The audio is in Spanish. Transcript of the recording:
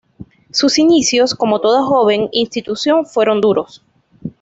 Sus inicios, como toda joven institución, fueron duros.